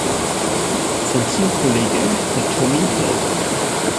Sein Teamkollege war Tommy Hill.